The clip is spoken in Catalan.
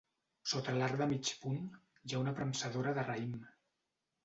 Sota l'arc de mig punt hi ha una premsadora de raïm.